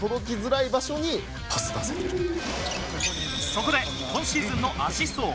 そこで、今シーズンのアシストを